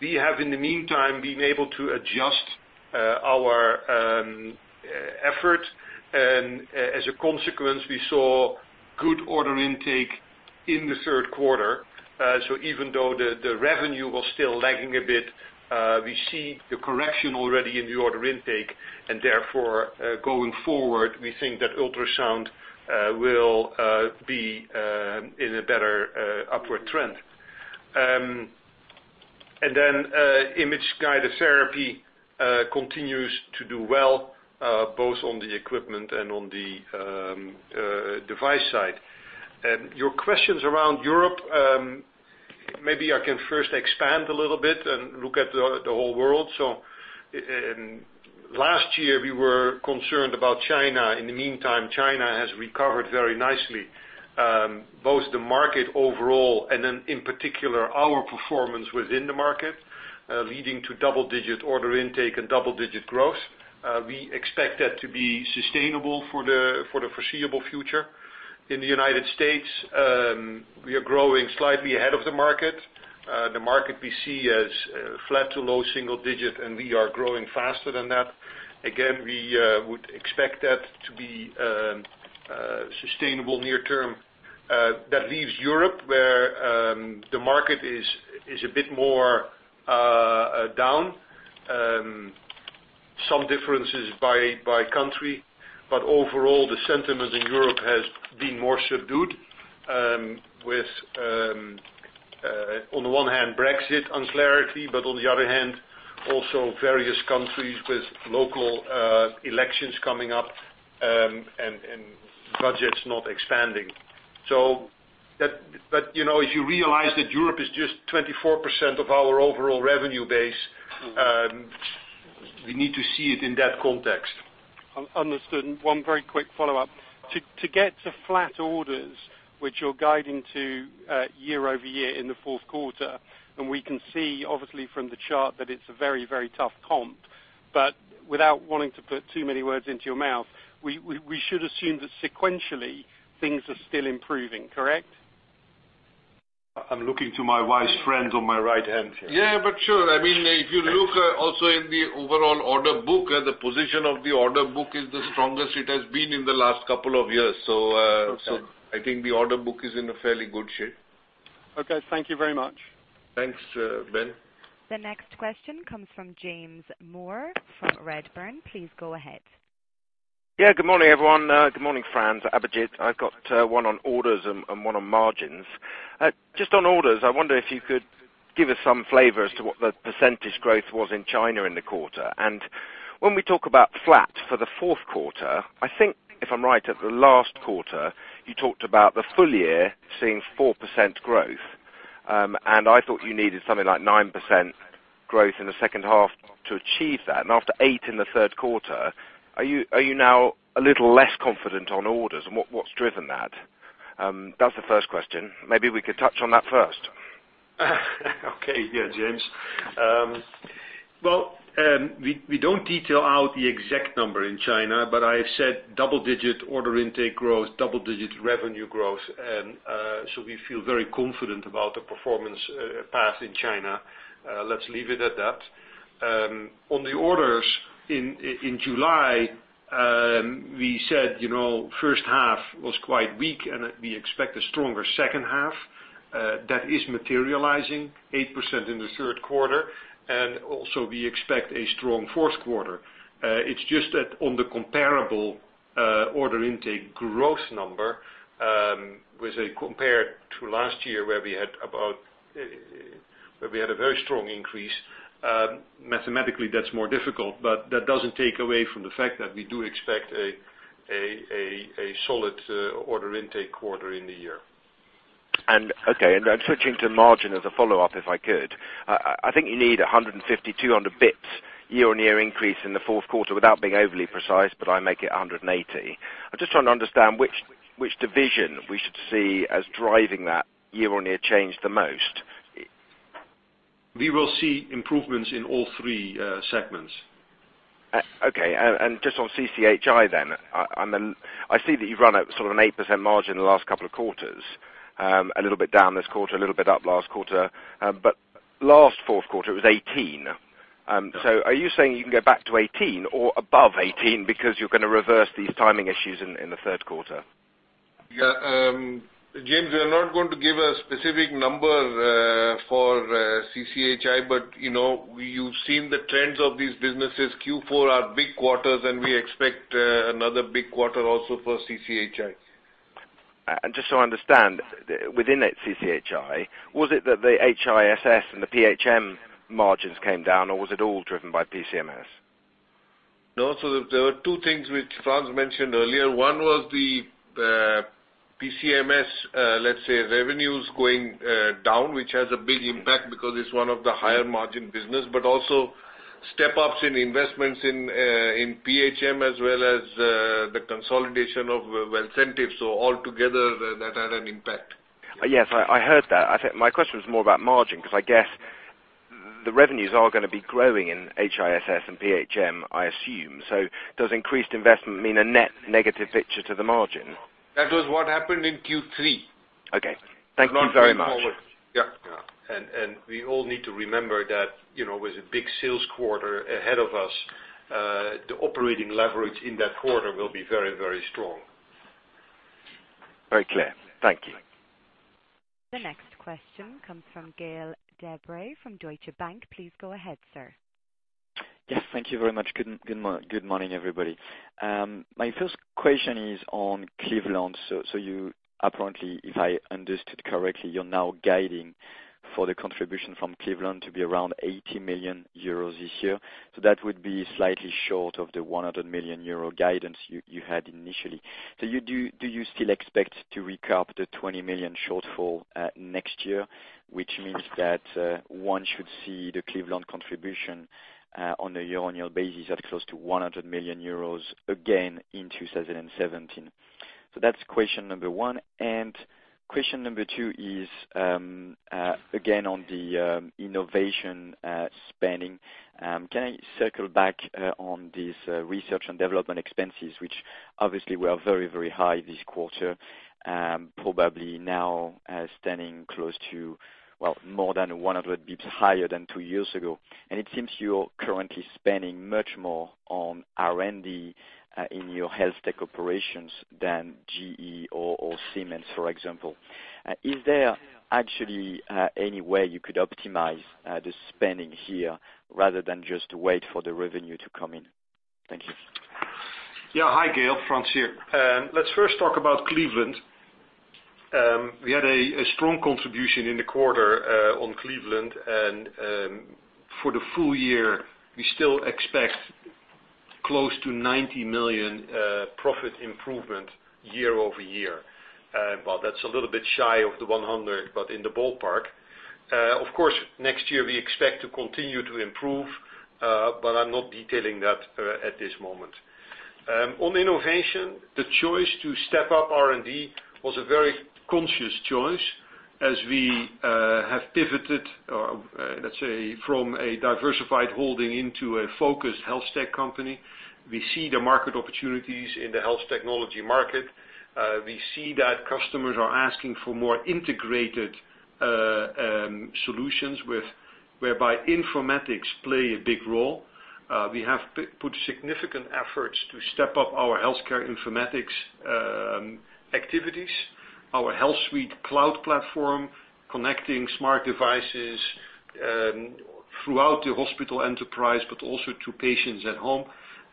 We have, in the meantime, been able to adjust our effort. As a consequence, we saw good order intake in the third quarter. Even though the revenue was still lagging a bit, we see the correction already in the order intake, and therefore, going forward, we think that ultrasound will be in a better upward trend. Image-guided therapy continues to do well, both on the equipment and on the device side. Your questions around Europe, maybe I can first expand a little bit and look at the whole world. Last year we were concerned about China. In the meantime, China has recovered very nicely, both the market overall and then in particular, our performance within the market, leading to double-digit order intake and double-digit growth. We expect that to be sustainable for the foreseeable future. In the United States, we are growing slightly ahead of the market. The market we see as flat to low single digit, and we are growing faster than that. Again, we would expect that to be sustainable near term. That leaves Europe, where the market is a bit more down. Some differences by country. Overall, the sentiment in Europe has been more subdued, with, on the one hand, Brexit uncertainty, but on the other hand, also various countries with local elections coming up, and budgets not expanding. If you realize that Europe is just 24% of our overall revenue base, we need to see it in that context. Understood. One very quick follow-up. To get to flat orders, which you're guiding to year-over-year in the fourth quarter, we can see obviously from the chart that it's a very, very tough comp. Without wanting to put too many words into your mouth, we should assume that sequentially, things are still improving, correct? I'm looking to my wise friend on my right hand here. Sure. If you look also in the overall order book, the position of the order book is the strongest it has been in the last couple of years. Okay. I think the order book is in a fairly good shape. Okay, thank you very much. Thanks, Ben. The next question comes from James Moore from Redburn. Please go ahead. Yeah, good morning, everyone. Good morning, Frans, Abhijit. I have got one on orders and one on margins. Just on orders, I wonder if you could give us some flavor as to what the percentage growth was in China in the quarter. And when we talk about flat for the fourth quarter, I think if I am right, at the last quarter, you talked about the full year seeing 4% growth. And I thought you needed something like 9% growth in the second half to achieve that. And after eight in the third quarter, are you now a little less confident on orders, and what has driven that? That was the first question. Maybe we could touch on that first. Okay. Yeah, James. Well, we don't detail out the exact number in China, but I've said double digit order intake growth, double digit revenue growth. We feel very confident about the performance path in China. Let's leave it at that. On the orders in July, we said first half was quite weak, and we expect a stronger second half. That is materializing, 8% in the third quarter, and also we expect a strong fourth quarter. It's just that on the comparable order intake growth number, compared to last year where we had a very strong increase, mathematically, that's more difficult. That doesn't take away from the fact that we do expect a solid order intake quarter in the year. Okay. Switching to margin as a follow-up, if I could. I think you need 150, 200 basis points year-on-year increase in the fourth quarter without being overly precise, but I make it 180. I'm just trying to understand which division we should see as driving that year-on-year change the most. We will see improvements in all three segments. Okay. Just on CC&HI then, I see that you've run at sort of an 8% margin in the last couple of quarters. A little bit down this quarter, a little bit up last quarter. Last fourth quarter, it was 18. Are you saying you can go back to 18 or above 18 because you're going to reverse these timing issues in the third quarter? Yeah. James, we are not going to give a specific number for CC&HI, but you've seen the trends of these businesses. Q4 are big quarters, and we expect another big quarter also for CC&HI. Just so I understand, within CC&HI, was it that the HISS and the PHM margins came down, or was it all driven by PCMS? No. There were two things which Frans mentioned earlier. One was the PCMS, let's say, revenues going down, which has a big impact because it's one of the higher margin business, but also step-ups in investments in PHM as well as the consolidation of Wellcentive. All together, that had an impact. Yes. I heard that. My question was more about margin, because I guess the revenues are going to be growing in HISS and PHM, I assume. Does increased investment mean a net negative picture to the margin? That was what happened in Q3. Okay. Thank you very much. Yeah. We all need to remember that with a big sales quarter ahead of us, the operating leverage in that quarter will be very, very strong. Very clear. Thank you. The next question comes from Gaël de Bray from Deutsche Bank. Please go ahead, sir. Yes. Thank you very much. Good morning, everybody. My first question is on Cleveland. You apparently, if I understood correctly, you're now guiding for the contribution from Cleveland to be around 80 million euros this year. That would be slightly short of the 100 million euro guidance you had initially. Do you still expect to recap the 20 million shortfall next year, which means that one should see the Cleveland contribution, on a year-on-year basis, at close to 100 million euros again in 2017? That's question number one. Question number two is, again, on the innovation spending. Can I circle back on this research and development expenses, which obviously were very high this quarter, probably now standing close to, well, more than 100 basis points higher than two years ago. It seems you're currently spending much more on R&D in your health tech operations than GE or Siemens, for example. Is there actually any way you could optimize the spending here rather than just wait for the revenue to come in? Thank you. Yeah. Hi, Gaël, Frans here. Let's first talk about Cleveland. We had a strong contribution in the quarter on Cleveland, and for the full year, we still expect close to 90 million profit improvement year-over-year. Well, that's a little bit shy of the 100 million, but in the ballpark. Of course, next year, we expect to continue to improve, but I'm not detailing that at this moment. On innovation, the choice to step up R&D was a very conscious choice as we have pivoted, let's say, from a diversified holding into a focused health tech company. We see the market opportunities in the health technology market. We see that customers are asking for more integrated solutions whereby informatics play a big role. We have put significant efforts to step up our healthcare informatics activities, our Philips HealthSuite cloud platform, connecting smart devices throughout the hospital enterprise, but also to patients at home.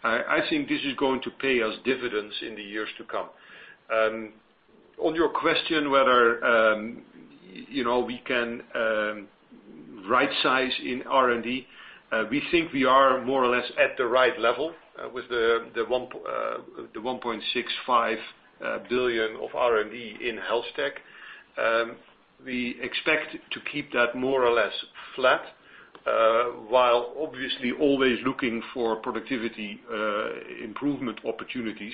I think this is going to pay us dividends in the years to come. On your question whether we can right size in R&D, we think we are more or less at the right level with the 1.65 billion of R&D in health tech. We expect to keep that more or less flat, while obviously always looking for productivity improvement opportunities,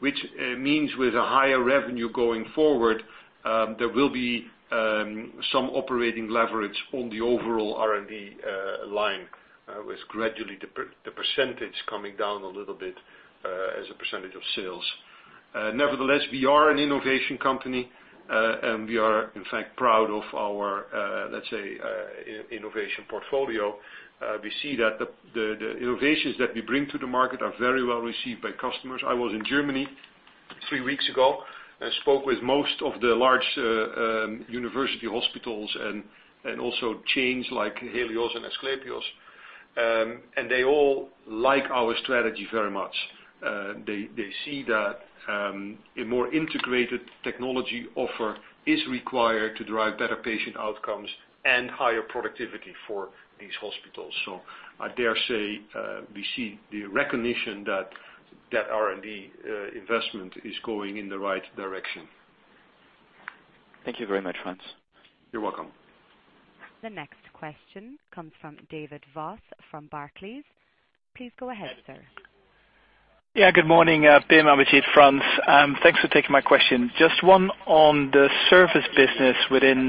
which means with a higher revenue going forward, there will be some operating leverage on the overall R&D line, with gradually the percentage coming down a little bit as a percentage of sales. Nevertheless, we are an innovation company. We are, in fact, proud of our, let's say, innovation portfolio. We see that the innovations that we bring to the market are very well received by customers. I was in Germany three weeks ago and spoke with most of the large university hospitals and also chains like Helios and Asklepios, and they all like our strategy very much. They see that a more integrated technology offer is required to drive better patient outcomes and higher productivity for these hospitals. I dare say, we see the recognition that R&D investment is going in the right direction. Thank you very much, Frans. You're welcome. The next question comes from David Vos from Barclays. Please go ahead, sir. Good morning, Pim, and with you, Frans. Thanks for taking my question. Just one on the service business within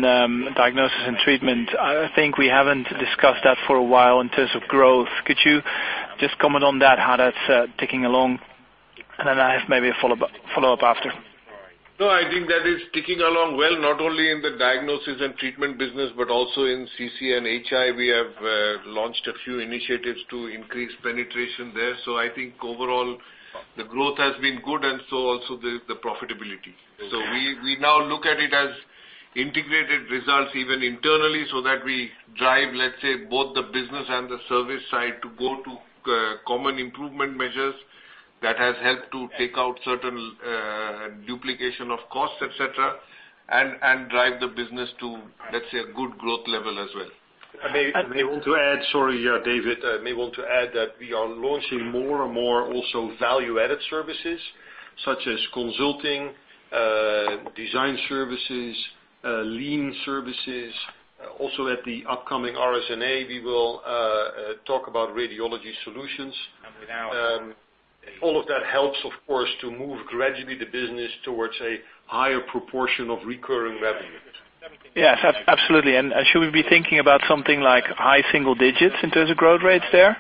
Diagnosis & Treatment. I think we haven't discussed that for a while in terms of growth. Could you just comment on that, how that's ticking along? Then I have maybe a follow-up after. I think that is ticking along well, not only in the Diagnosis & Treatment business, but also in CC and HI. We have launched a few initiatives to increase penetration there. I think overall the growth has been good and so also the profitability. We now look at it as integrated results, even internally, so that we drive, let's say, both the business and the service side to go to common improvement measures that has helped to take out certain duplication of costs, et cetera, and drive the business to, let's say, a good growth level as well. I may want to add, sorry, David, I may want to add that we are launching more and more also value-added services such as consulting, design services, lean services. At the upcoming RSNA, we will talk about radiology solutions. All of that helps, of course, to move gradually the business towards a higher proportion of recurring revenue. Yes, absolutely. Should we be thinking about something like high single digits in terms of growth rates there?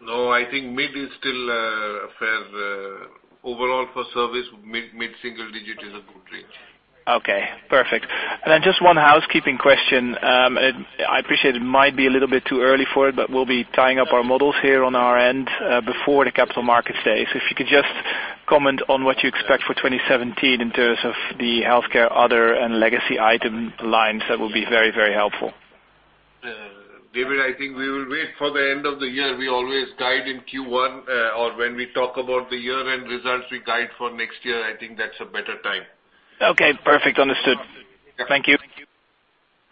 No, I think mid is still. Overall for service, mid single digit is a good range. Okay, perfect. Just one housekeeping question. I appreciate it might be a little bit too early for it, but we'll be tying up our models here on our end before the Capital Markets Day. If you could just comment on what you expect for 2017 in terms of the healthcare other and legacy item lines, that would be very helpful. David, I think we will wait for the end of the year. We always guide in Q1 or when we talk about the year-end results, we guide for next year. I think that's a better time. Okay, perfect. Understood. Thank you.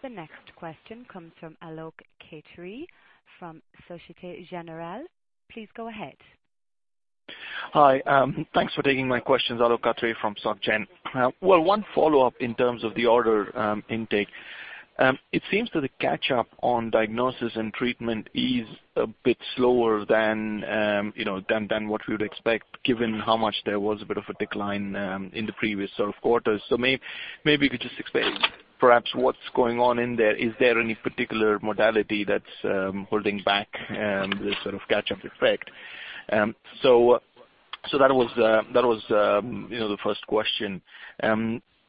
The next question comes from Alok Khatri from Société Générale. Please go ahead. Hi. Thanks for taking my questions. Alok Katre from SocGen. Well, one follow-up in terms of the order intake. It seems that the catch-up on Diagnosis & Treatment is a bit slower than what we would expect, given how much there was a bit of a decline in the previous quarters. Maybe you could just explain perhaps what's going on in there. Is there any particular modality that's holding back this sort of catch-up effect? That was the first question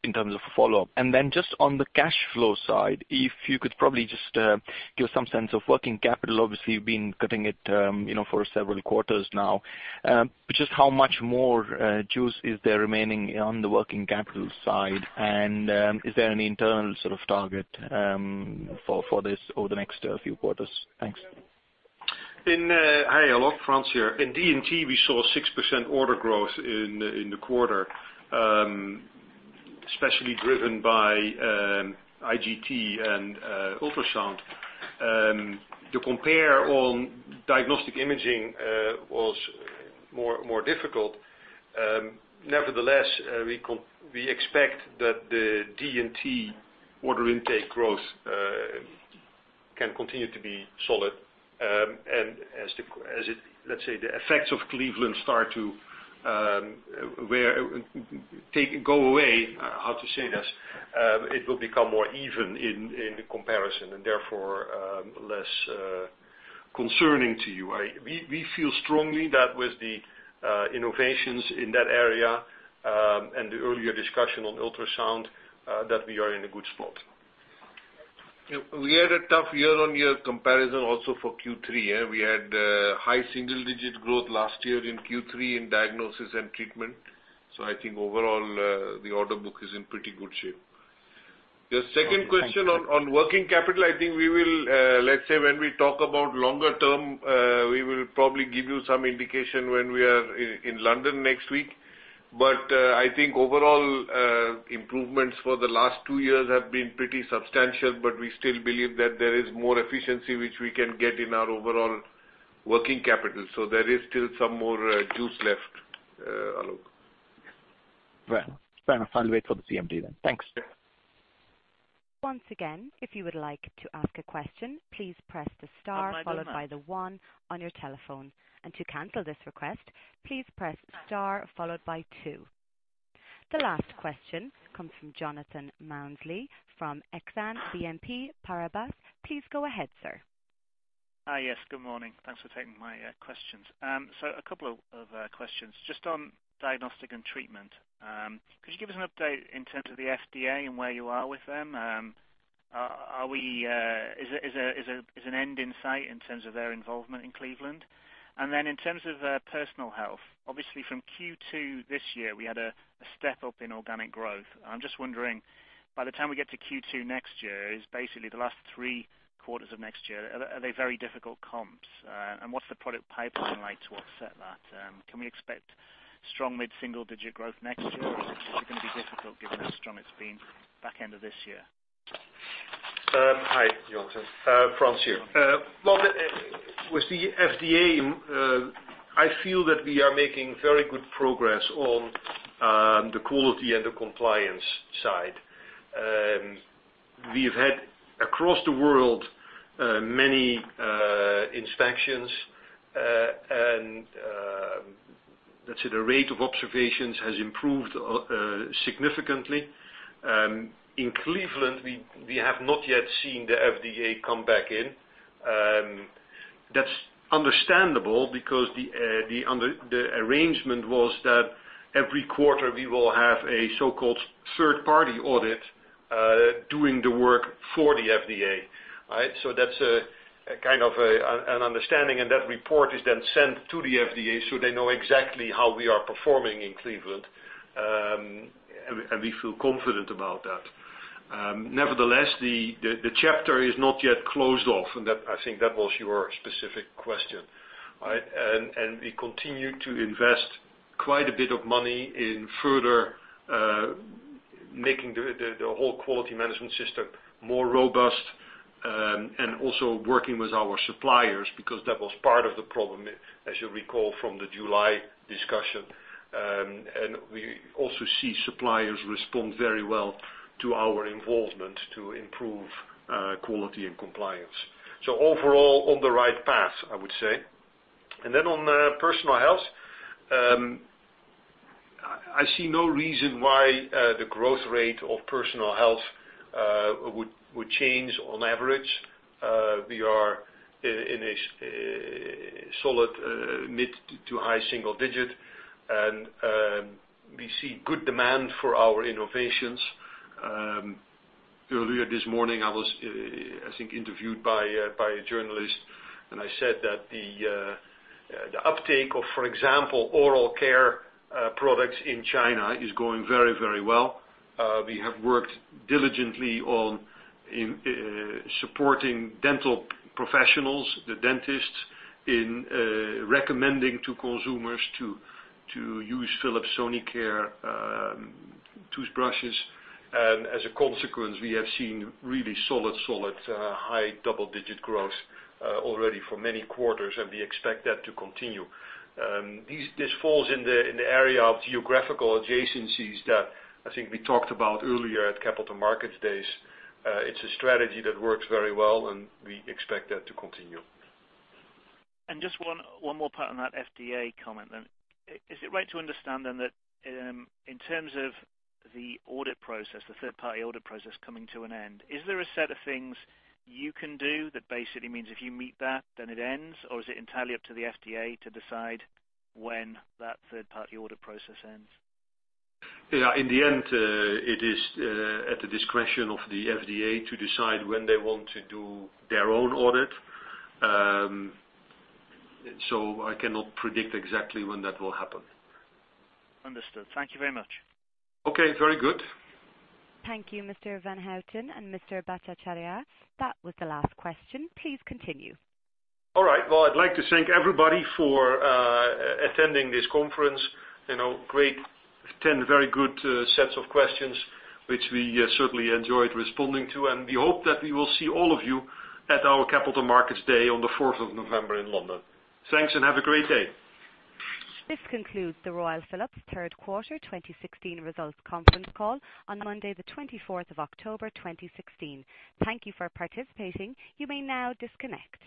in terms of follow-up. Then just on the cash flow side, if you could probably just give some sense of working capital. Obviously, you've been cutting it for several quarters now. Just how much more juice is there remaining on the working capital side? Is there any internal sort of target for this over the next few quarters? Thanks. Hi, Alok. Frans here. In D&T, we saw 6% order growth in the quarter, especially driven by IGT and ultrasound. To compare on diagnostic imaging was more difficult. Nevertheless, we expect that the D&T order intake growth can continue to be solid. As, let's say, the effects of Cleveland start to go away. How to say this? It will become more even in the comparison, therefore, less concerning to you. We feel strongly that with the innovations in that area, the earlier discussion on ultrasound, that we are in a good spot. We had a tough year-on-year comparison also for Q3. We had high single-digit growth last year in Q3 in Diagnosis & Treatment. I think overall, the order book is in pretty good shape. Your second question on working capital, I think we will, let's say when we talk about longer term, we will probably give you some indication when we are in London next week. I think overall, improvements for the last two years have been pretty substantial, but we still believe that there is more efficiency which we can get in our overall working capital. There is still some more juice left, Alok. Right. Fair enough. I'll wait for the CMD then. Thanks. Yeah. Once again, if you would like to ask a question, please press the star followed by the 1 on your telephone. To cancel this request, please press star followed by 2. The last question comes from Jonathan Mounsey from Exane BNP Paribas. Please go ahead, sir. Hi, yes. Good morning. Thanks for taking my questions. A couple of questions. Just on Diagnosis & Treatment, could you give us an update in terms of the FDA and where you are with them? Is an end in sight in terms of their involvement in Cleveland? Then in terms of Personal Health, obviously from Q2 this year, we had a step-up in organic growth. I'm just wondering, by the time we get to Q2 next year, is basically the last three quarters of next year, are they very difficult comps? What's the product pipeline like to offset that? Can we expect strong mid-single-digit growth next year? Is it going to be difficult given how strong it's been back end of this year? Hi, Jonathan. Frans here. Well, with the FDA, I feel that we are making very good progress on the quality and the compliance side. We've had, across the world, many inspections, and let's say the rate of observations has improved significantly. In Cleveland, we have not yet seen the FDA come back in. That's understandable because the arrangement was that every quarter we will have a so-called third-party audit, doing the work for the FDA, right? That's kind of an understanding, and that report is then sent to the FDA so they know exactly how we are performing in Cleveland. We feel confident about that. Nevertheless, the chapter is not yet closed off, and I think that was your specific question, right? We continue to invest quite a bit of money in further making the whole quality management system more robust. Also working with our suppliers, because that was part of the problem, as you recall from the July discussion. We also see suppliers respond very well to our involvement to improve quality and compliance. Overall, on the right path, I would say. Then on personal health. I see no reason why the growth rate of personal health would change on average. We are in a solid mid to high single digit, and we see good demand for our innovations. Earlier this morning, I was, I think, interviewed by a journalist, and I said that the uptake of, for example, oral care products in China is going very, very well. We have worked diligently on supporting dental professionals, the dentists, in recommending to consumers to use Philips Sonicare toothbrushes. As a consequence, we have seen really solid high double-digit growth already for many quarters, and we expect that to continue. This falls in the area of geographical adjacencies that I think we talked about earlier at Capital Markets Days. It's a strategy that works very well, and we expect that to continue. Just one more part on that FDA comment then. Is it right to understand then that in terms of the third-party audit process coming to an end, is there a set of things you can do that basically means if you meet that, then it ends? Or is it entirely up to the FDA to decide when that third-party audit process ends? Yeah, in the end, it is at the discretion of the FDA to decide when they want to do their own audit. I cannot predict exactly when that will happen. Understood. Thank you very much. Okay, very good. Thank you, Mr. van Houten and Mr. Bhattacharya. That was the last question. Please continue. All right. Well, I'd like to thank everybody for attending this conference. Great, 10 very good sets of questions, which we certainly enjoyed responding to, and we hope that we will see all of you at our Capital Markets Day on the 4th of November in London. Thanks, and have a great day. This concludes the Royal Philips third quarter 2016 results conference call on Monday, the 24th of October, 2016. Thank you for participating. You may now disconnect.